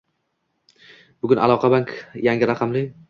Bugun Aloqabank yangi raqamli